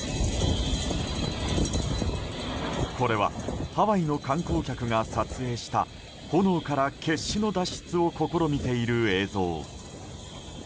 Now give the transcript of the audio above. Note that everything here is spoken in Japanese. これはハワイの観光客が撮影した炎から決死の脱出を試みている映像。